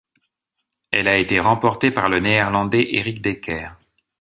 Elle a été remportée par le Néerlandais Erik Dekker.